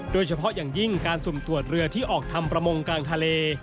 โดยเฉพาะอย่างยิ่งการสุ่มตรวจเรือที่ออกทำประมงกลางทะเล